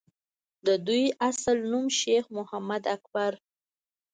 دَدوي اصل نوم شېخ محمد اکبر